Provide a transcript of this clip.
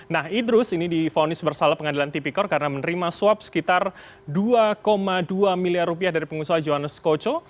nah idrus ini difonis bersalah pengadilan tipikor karena menerima suap sekitar dua dua miliar rupiah dari pengusaha johannes koco